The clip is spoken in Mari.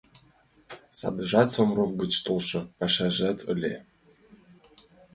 Садыжат, Сормов гыч толшо пашазыжат, ыле.